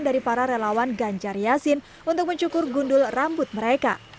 dari para relawan ganjar yasin untuk mencukur gundul rambut mereka